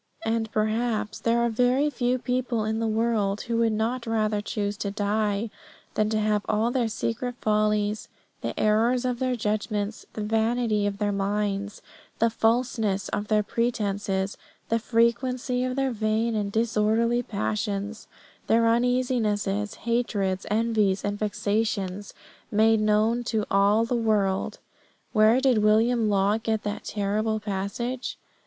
And, perhaps, there are very few people in the world who would not rather choose to die than to have all their secret follies, the errors of their judgments, the vanity of their minds, the falseness of their pretences, the frequency of their vain and disorderly passions, their uneasinesses, hatreds, envies, and vexations made known to all the world." Where did William Law get that terrible passage?